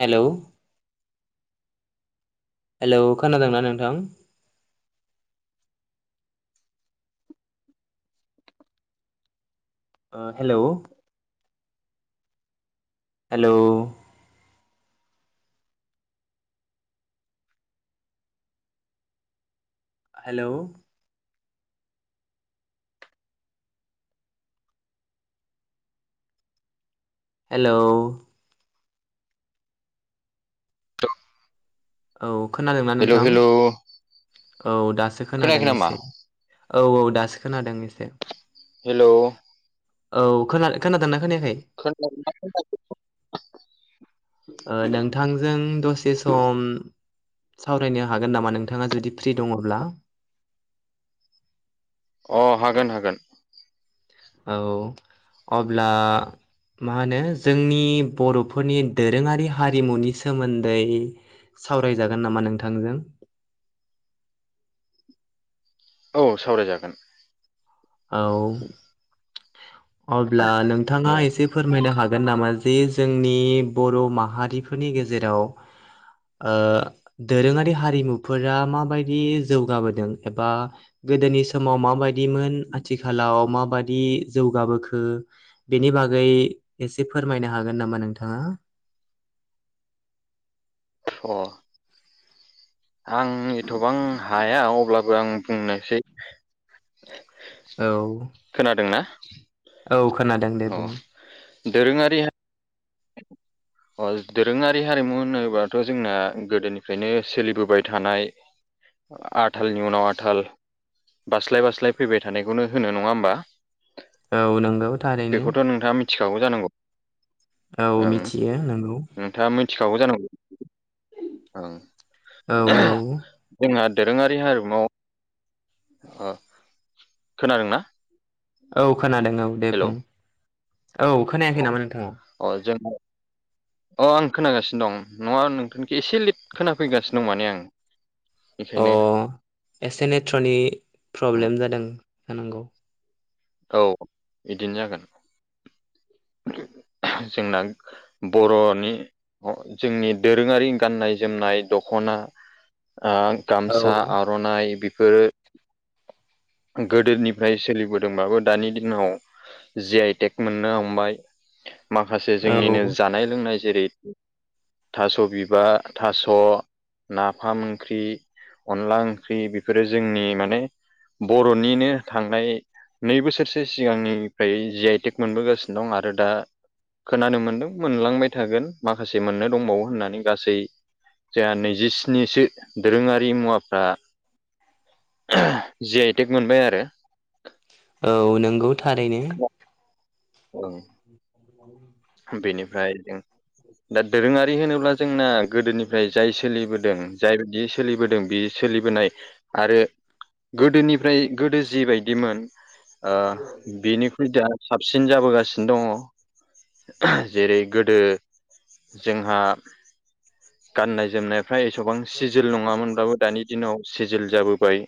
हेल' hello खोनादोंना नोंथां hello hello hello hello औ खोनादोंना हेलौ नोंथां हेलौ औ दासो खोनादों खोनायाखै नामा एसे औ औ दासो खोनादों एसे हेल' औ खोना खोनादोंना खोनायाखै? [unintelligible] नोंथांजों दसे सम सम सावरायनो हागोन नामा नोंथाङा जुदि फ्रि दङब्ला [inaudible] अ हागोन हागोन औ अब्ला मा होनो जोंनि बर'फोरनि दोरोङारि हारिमुनि सोमोन्दै सावरायजागोन नामा नोंथांजों औ सावरायजागोन औ अब्ला नोंथाङा औ एसे फोरमायनो हागोन नामा जे जोंनि बर' माहारिफोरनि गेजेराव दोरोङारि हारिमुफोरा माबायदि जौगाबोदों एबा गोदोनि समाव माबायदिमोन आथिखालाव माबायदि जौगाबोखो बेनि बागै एसे फोरमायनो हागोन नामा नोंथाङा [inaudible] अ आं एथ'बां हाया अब्लाबो आं बुंनोसै औ खोनादोंना औ खोनादों दे अ बुं दोरोङारि [inaudible] अ दोरोङारि हारिमु होनोबाथ' जोंना गोदोनिफ्रायनो सोलिबोबाय थानाय आथालनि उनाव आथाल बास्लाय बास्लाय फैबाय थानायखौनो होनो नङा होमबा औ नंगौ थारैनो बेखौथ' नोंथाङा मिथिखागौ जानांगौ औ ओं मिथियो नंगौ नोंथाङा मिथिखागौ जानांगौ ओं औ औ जोंहा दोरोङारि हारिमुआव खोनादोंना औ खोनादों औ दे हेलौ बुं औ खोनायाखै नामा नोंथाङा अ जों [inaudible] अ आं खोनागासिनो दं नङा नोंथांनिखो एसे लेट खोनाफैगासिनो दं माने आं अ बेखायनो एसे नेट्र'नि उम प्रब्लेम जादों जानांगौ औ बिदिनो जागोन जोंना बर'नि जोंनि दोरोङारि गाननाय जोमनाय दख'ना औ गामसा आर'नाइ गोदोनिफ्राय सोलिबोदों दोंबाबो दानि दिनाव जे आइ टेक मोननो हमबाय माखासे जोंनिनो औ जानाय लोंनाय जेरै थास' बिबार थास' नाफाम ओंख्रि अनला ओंख्रि बेफोरो जोंनि माने बर'निनो थांनाय नै बोसोरसो सिगांनिफ्राय जि आइ टेक मोनबोगासिनो दं आरो दा खोनानो मोनदों मोनलांबाय थागोन माखासे मोननो दंबावो होननानै गासै जोंहा नैजिस्निसो दोरोङारि मुवाफ्रा जि आइ टेग मोनबाय आरो औ नंगौ थारैनो ओं [inaudible] बेनिफ्राय जों दा दोरोङारि होनोब्ला जोंना गोदोनिफ्राय जाय सोलिबोदों जायबायदि सोलिबोदों बे सोलिबोनाय आरो गोदोनिफ्राय गोदो जिबायदिमोन ओ बेनिख्रुइ दा साबसिन जाबोगासिनो दङ जेरै गोदो जोंहा गाननाय जोमनायफ्रा एसेबां सिजल नङामोनब्लाबो दानि दिनाव सिजल जाबोबाय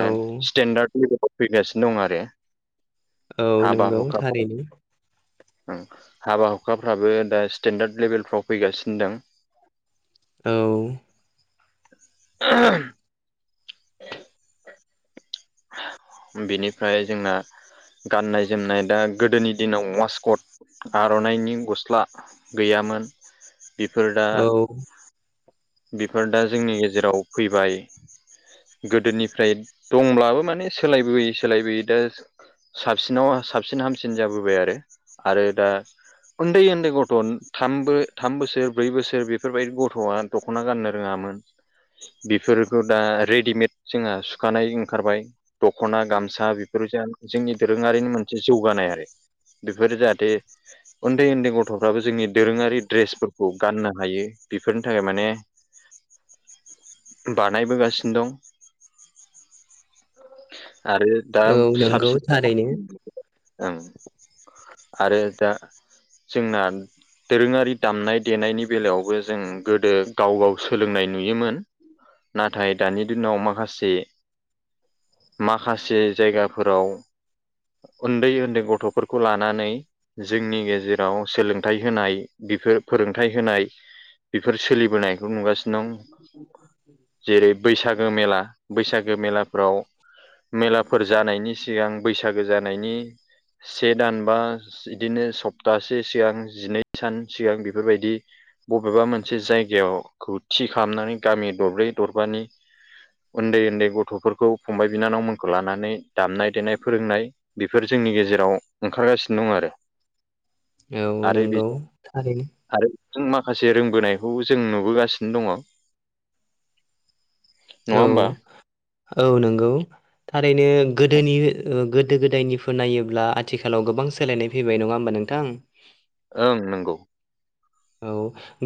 औ स्टेन्डार्ड फैगासिनो दं आरो औ हाबा नंगौ हुखाफ्राव थारैनो हाबा हुखाफ्राबो दा स्टेन्डार्ड लेभेलफ्राव फैगासिनो दं औ [unintelligible] बेनिफ्राय जोंना गाननाय जोमनाय दा गोदोनि दिनाव वासकट आरननाइनि गस्ला गैयामोन बेफोर दा औ बेफोर दा जोंनि गेजेराव फैबाय गोदोनिफ्राय दंब्लाबो माने सोलायबोयै सोलायबोयै दा साबसिनाव साबसिन हामसिन जाबोबाय आरो आरो दा उन्दै उन्दै गथ' थाम बो थाम बोसोर ब्रै बोसोर बेफोरबायदि गथ'आ दखना गाननो रोङामोन बेफोरखौ दा रेडिमेड जोंहा सुखानाय ओंखारबाय दखना गामसा बेफोर जा जोंनि दोरोङारिनि मोनसे जौगानाय आरो बेफोरो जाहाथे उन्दै उन्दै गथ'फ्राबो जोंनि दोरोङारि द्रेसफोरखौ गाननो हायो बेफोरनि थाखाय माने बानायबोगासिनो दं आरो दा औ नंगौ साबसिन थारैनो ओं आरो दा जोंना दोरोङारि दामनाय देनायनि बेलायावबो जों गोदो गाव गाव सोलोंनाय नुयोमोन नाथाय दानि दिनाव माखासे माखासे जायगाफोराव उन्दै उन्दै गथ'फोरखौ लानानै जोंनि गेजेराव सोलोंथाइ होनाय बेफोर फोरोंथाइ होनाय बेफोर सोलिबोनायखौ नुगासिनो दं जेरै बैसागो मेला बैसागो मेलाफ्राव मेलाफोर जानायनि सिगां बैसागो जानायनि से दान बा बिदिनो सप्तासे सिगां जिनै सान सिगां बेफोरबायदि बबेबा मोनसे जायगाखौ थि खालामनानै गामि दरब्रै दरबानि उन्दै उन्दै गथ'फोरखौ फंबाय बिनानावमोनखौ लानानै दामनाय देनाय फोरोंनाय बेफोर जोंनि गेजेराव ओंखारगासिनो दं औ आरो नंगौ आरो थारैनो आरो जों मा माखासे रोंबोनायखौ जों नुबोगासिनो दङ नङा औ होमबा औ नोंगौ थारैनो गोदोनि गोदो गोदायनिफ्राय नायोब्ला आथिखालाव गोबां सोलायनाय फैबाय नङा होमबा नों थां ओं नंगौ औ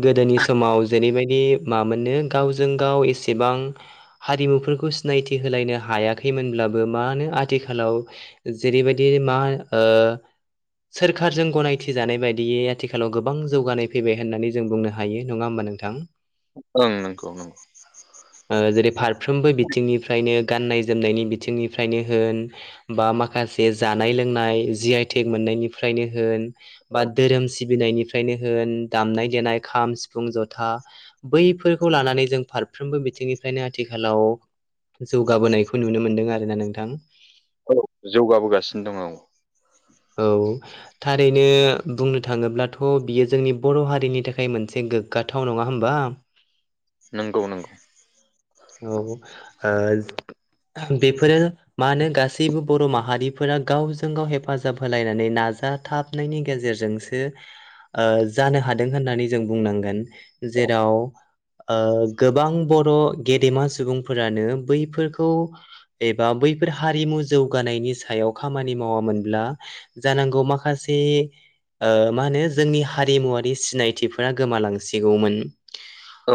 गोदोनि समाव जेरैबाय मानो गावजों गाव एसेबां हारिमुफोरखौ सिनायथि होलायनो हायाखै मोनब्लाबो मा होन आथिखालाव जेरैबायदि मा सोरखारजों गनायथि जानाय बायदियै आथिखालाव गोबां जौगानाय फैबाय होननानै जों बुंनो हायो नङा होमबा नोंथां ओं नंगौ नंगौ बिथिंनिफ्राय नो जनायनि बिथिंनिनो होन बा माखासे ज फोरोंनाय जि आइटेक मोननायनिफ्रायनो होनबा धोरोम सिबिनायनिफ्रायनो होन दामनाय देनाय खाम सिफुं जथा बैफोरखौ लानानै जों फारफ्रोमबो बिथिंनिफ्रायनो आथिखाल हेलौ जौगाबोनायखौ नुनो मोनदों आरोना नोंथां औ जौगाबोगासिनो दं आं औ थारैनो बुंनो थाङोब्लाथ' बियो जोंनि बर' हारिनि थाखाय मोनसे गोग्गाथाव नङा होमबा नंगौ नंगौ औ आ बेफोरो मा होन गासैबो बर' माहारिफोरा गावजों गाव हेफाजाब हेफाजाब होलायनानै नाजाथाबनायनि गेजेरजोंसो जानो हादों होननानै जों बुंनांगोन जेराव गोबां बर' गेदेमा सुबुंफोरानो बैफोरखौ एबा बैफोर हारिमु जौगानायनि सायाव खामानि मावामोनब्ला जानांगौ माखासे मा होनो जोंनि हारिमुवारि सिनायथिफोरा गोमालांसिगौमोन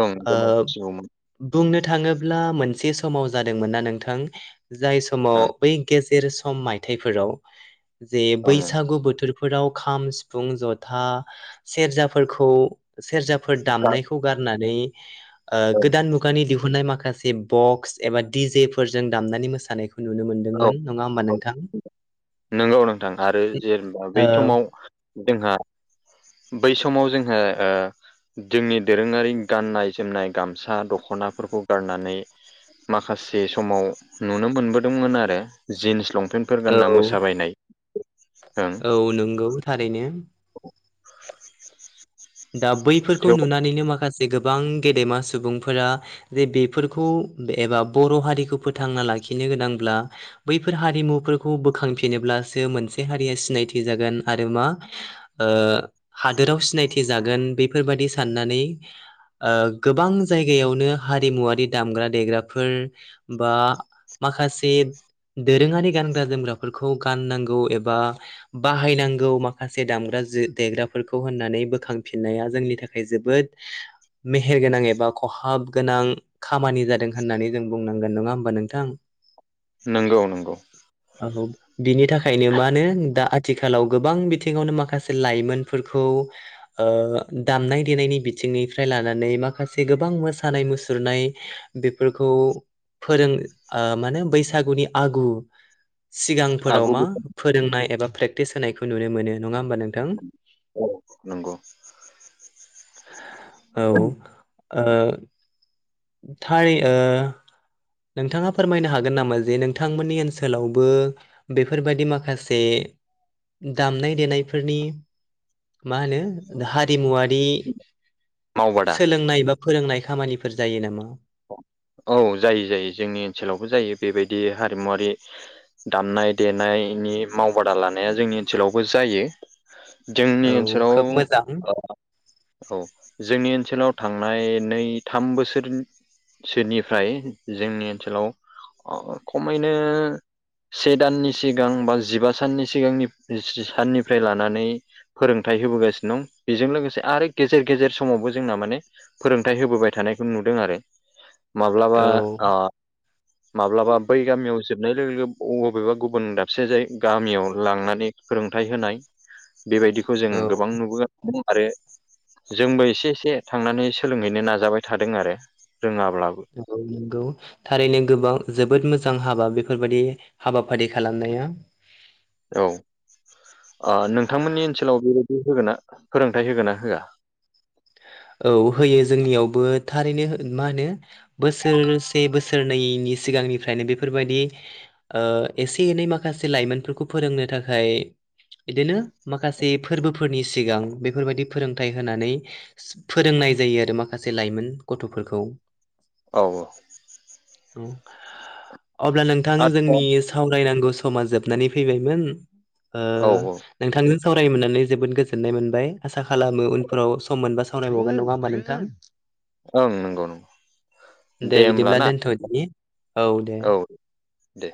ओं गोमावथिगौमोन बुंनो नो थाङोब्ला मोनसे समाव जादोंमोन ना नोंथां जाय समाव ओं बै सेर सम मायथाइफोराव जे ओं ओं बैसागु बोथोर बेफोराव खाम सिफुं जथा सेरजाफोरखौ सेरजाफोर गा- दामनायखौ गारनानै ओं, गोदान मुगानि दिहुुननाय माखासे माखासे बक्स एबा दिडि जेफोरजों दामनानै मोसानायखौ नुनो औ मोनदोंमोन नङा होमबा औ नोंथां नंगौ नोंथां आरो जेनेबा बै औ समाव जोंहा बै समाव जोहा जोंनि दोरोङारि गाननाय जोमनाय गामसा दख'नाफोरखौ गारनानै माखासे समाव नुनो मोनबोदोंमोन आरो जिन्स लंप पपन्फोर औ गानना मोसाबायनाय ओं औ नंगौ थारैनो [unintelligible] दा बैफोरखौ थेव नुनानैनो माखासे जे गोबां गेदेमा सुबुंफोरा जे बेफोरखौ एबा बर' हारिखौ फोथांना लागि लाखिनो गोनांब्ला बैफोर हारिमुफोरखौ बोखांफिनोब्लासो मोनसे हारिया सिनायथि जागोन आरो मा हादोराव सिनाय जागोन बेफोरबादि साननानै गोबां जायगायावनो हारिमुवारि दामग्रा देग्राफोर बा माखासे दोरोङारि गानग्रा जोमग्राफोरखौ गाननांगौ एबा बाहायनांगौ माखासे दामग्रा देग्राफोरखौ होननानै बोखांफिननाया जोंनि थाखाय जोबोद मेहेरगोनां एबा खहाब गोनां खामानि जादों होननानै जों बुंनांगोन नङा होमबा नोंथां [unintelligible] नंगौ नंगौ बिनि थाखायनो मा होनो दा आथिखालाव गोबां बिथिङावनो माखासे लाइमोनफोरखौ दामनाय देनायनि बिथिंनिफ्राय लानानै माखासे गोबां मोसानाय मुसुरनाय बेफोरखौ फोरों म होने बैसागुनि आगु सिगांफोराव आगु मा बैसाग फोरोंनाय एबा प्रेक्टिस होनायखौ नुनो मोनो नङा होमबा नोंथां औ नंगौ औ ओ थाय ओ नोंथाङा फोरमायनो हागोन नामा जे नोंथांमोननि ओनसोलावबो बेफोरबायदि माखासे दामनाय देनायफोरनि मा होनो हारिमुवारि मावबादा सोलोंनाय बा फोरोंनाय खामानिफोर जायो नामा औ जायो जायो जोंनि ओनसोलावबो जायो बेबायदि हारिमुवरारि दामनाय देनायनि मावबादा लानाया जोंनि ओनसोलावबो जायो जोंनि औ खोब ओनसोलाव मोजां औ जोंनि ओनसोलाव थां थांनाय नै थाम बोसोर सोनिफ्राय जोंनि ओनसोलाव खमैनो से दाननि सिगां बा जिबा साननि सिगांनि साननिफ्राय लानानै फोरोंथाइ होबोगासिनो दं बेजों लोगोसे आरो गेजेर गेजेर समावबो जोंना माने फोरोंथाइ होबोबाय थादों थानायखौ नुदों आरो माब्लाबा औ माब्लाबा बै गामियावसो लोगो लोगो बबेबा गुबुन दाबसे जाय गामियाव लांनानै फोरोंथाइ होनाय बेबायदिखौ जों औ गोबां नुबोगासिनो आरो जोंबो एसे एसे थांनानै सोलोंहैनो नाजाबाय थादों आरो रोङाब्लाबो औ नंगौ थारैनो गोबाव जोबोद मोजां हाबा बेफोर बेफोरबायदि हाबाफारि खालामनाया औ नोंथांमोननि ओनसोलाव बेबायदि होगोन ना फोरोंथाइ होगोन ना होआ औ होयो जोंनियावबो थारैनो मा होनो बोसोरसे बोसोरनैनि सिगांनिफ्रायनो बेफोरबायदि एसे एनै माखासे लाइमोनफोरखौ फोरोंनो थाखाय बिदिनो माखासे फोरबोफोरनि सिगां बेफोरबायदि फोरोंथाइ होनानै फोरोंनाय जायो आरो माखासे लाइमोन गथ'फोरखौ औ औ अब्ला नोंथां आदसा जोंनि सावरायनांगौ समा जोबनानै फैबायमोन औ औ नोंथां सावरायनो मोननानै जोबोद गोजोननाय मोनबाय आसा खालामो उनफोराव सम मोनबा सावरायबावगोन नङा होमबा नोंथां ओं नंगौ नंगौ दे होमब्ला बिदिब्ला ना दोनथ'दिनि औ दे